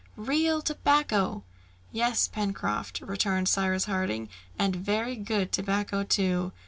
real tobacco!" "Yes, Pencroft," returned Cyrus Harding, "and very good tobacco too!"